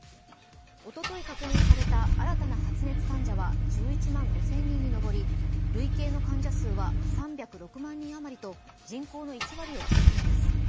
おおとい確認された新たな発熱患者は１１万５０００人に上り累計の患者数は３０６万人あまりと人口の１割を超えています。